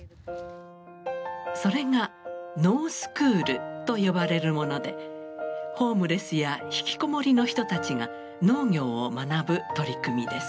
それが農スクールと呼ばれるものでホームレスや引きこもりの人たちが農業を学ぶ取り組みです。